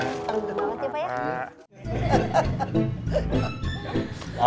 terima kasih pak ya